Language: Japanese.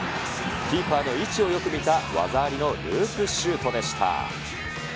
キーパーの位置をよく見た技ありのループシュートでした。